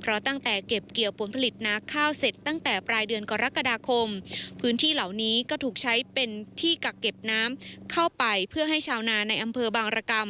เพราะตั้งแต่เก็บเกี่ยวผลผลิตนาข้าวเสร็จตั้งแต่ปลายเดือนกรกฎาคมพื้นที่เหล่านี้ก็ถูกใช้เป็นที่กักเก็บน้ำเข้าไปเพื่อให้ชาวนาในอำเภอบางรกรรม